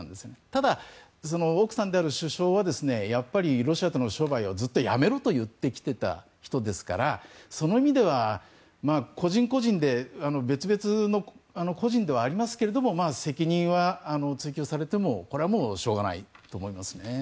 ただ、奥さんである首相はやっぱりロシアとの商売をずっとやめると言ってきていた人ですからその意味では、個人個人で別々の個人ではありますけれども責任は追及されてもこれはしょうがないと思います。